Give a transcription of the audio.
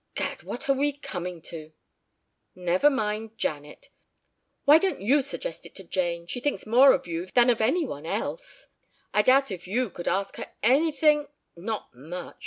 Gad! What are we coming to!" "Never mind Janet " "Why don't you suggest it to Jane? She thinks more of you than of any one else. I doubt if you could ask her anything " "Not much.